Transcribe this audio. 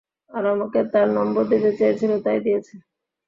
আর আমাকে তার নম্বর দিতে চেয়েছিল তাই দিয়েছে।